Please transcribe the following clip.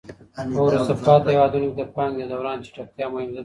په وروسته پاته هېوادونو کي د پانګي د دوران چټکتیا مهمه ده.